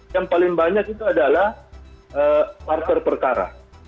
yang paling banyak itu adalah klarter perkara